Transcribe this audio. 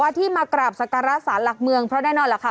ที่มากราบสการะสารหลักเมืองเพราะแน่นอนล่ะค่ะ